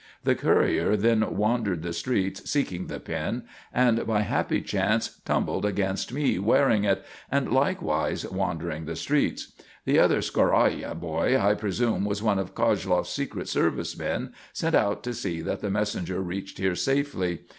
The courier then wandered the streets seeking the pin, and by happy chance tumbled against me wearing it, and likewise wandering the streets. The other 'scoraya' boy I presume was one of Koshloff's secret service men, sent out to see that the messenger reached here safely.